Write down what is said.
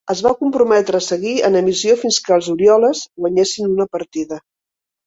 Es va comprometre a seguir en emissió fins que els Orioles guanyessin una partida.